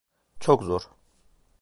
Çok zor.